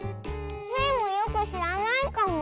スイもよくしらないかも。